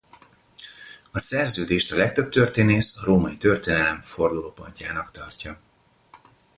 A szerződést a legtöbb történész a római történelem fordulópontjának tartja.